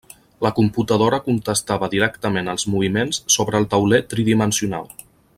La computadora contestava directament els moviments sobre el tauler tridimensional.